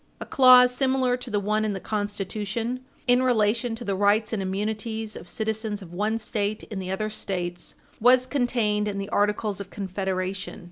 A clause similar to the one in the Constitution in relation to the rights and immunities of citizens of one State in the other States was contained in the Articles of Confederation.